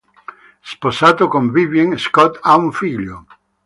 Sposato con Vivien, Scott ha un figlio.